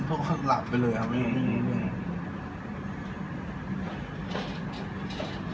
แล้วผมก็หลับไปเลยครับไม่มีเรื่อง